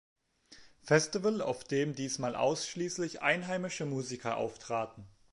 Festival, auf dem diesmal ausschließlich einheimische Musiker auftraten.